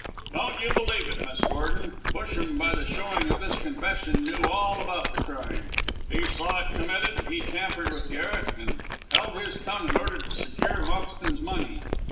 "Don't you believe it, Miss Gordon. Busham, by the showing of this confession, knew all about the crime. He saw it committed, he tampered with Garret, and held his tongue in order to secure Moxton's money.